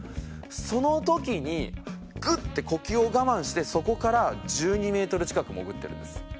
その時にグッて呼吸を我慢してそこから１２メートル近く潜ってるんです。